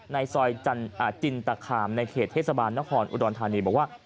ในซอยจินตคามในเขตเทศบาลนครอุดรธานีบอกว่า